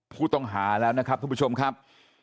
ผู้ต้องหาแล้วนะครับทุกผู้ชมครับ